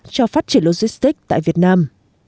cho phát triển logistic tại việt nam